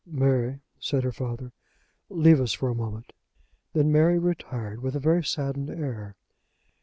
"Mary," said her father, "leave us for a moment." Then Mary retired, with a very saddened air.